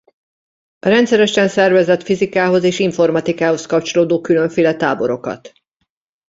Rendszeresen szervezett fizikához és informatikához kapcsolódó különféle táborokat.